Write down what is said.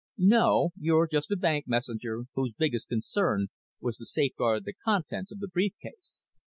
"No. You're just a bank messenger whose biggest concern was to safeguard the contents of the brief case.